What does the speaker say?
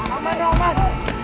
aman ya aman